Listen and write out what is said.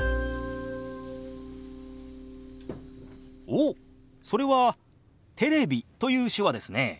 おっそれは「テレビ」という手話ですね。